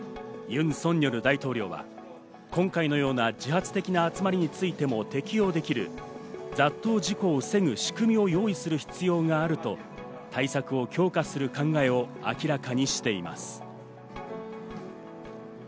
ユン・ソンニョル大統領は今回のような自発的な集まりについても適用できる雑踏事故を防ぐ仕組みを用意する必要があると対策を強化する考えを明らかにしています。